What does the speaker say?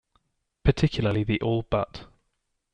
Particularly the 'all but.